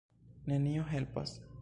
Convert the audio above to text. Nenio helpas.